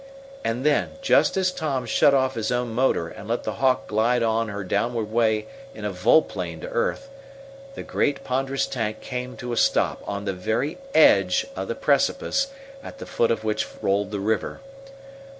And then, just as Tom shut off his own motor and let the Hawk glide on her downward way in a volplane to earth, the great, ponderous tank came to a stop, on the very edge of the precipice at the foot of which rolled the river.